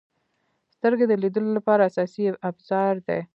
• سترګې د لیدلو لپاره اساسي ابزار دي.